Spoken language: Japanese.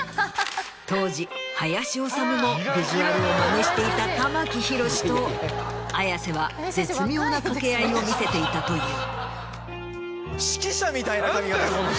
当時林修もビジュアルをマネしていた玉木宏と綾瀬は絶妙な掛け合いを見せていたという。